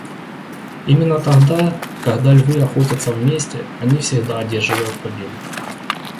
Именно тогда, когда львы охотятся вместе, они всегда одерживают победу.